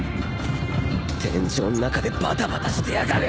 天井ん中でバタバタしてやがる！